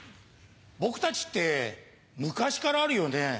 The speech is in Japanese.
僕たちって昔からあるよね。